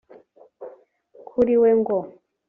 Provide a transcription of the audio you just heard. Kuri we ngo